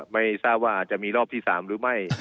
ไม่ทราบว่าอาจจะมีรอบที่๓หรือไม่